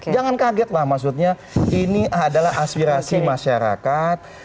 jangan kaget lah maksudnya ini adalah aspirasi masyarakat